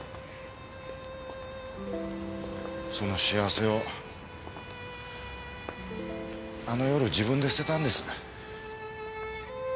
その幸せをあの夜自分で捨てたんです。